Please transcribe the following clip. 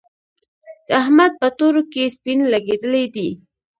د احمد په تورو کې سپين لګېدلي دي.